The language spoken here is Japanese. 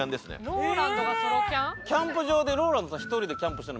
ＲＯＬＡＮＤがソロキャン？